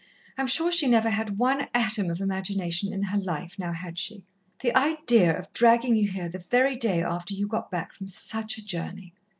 I'm sure she never had one atom of imagination in her life, now had she? The idea of dragging you here the very day after you got back from such a journey."